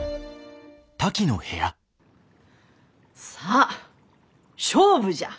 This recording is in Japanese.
さあ勝負じゃ！